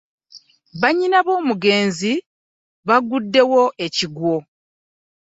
Bannyina b'omugenzi baaaguddewo ekigwo.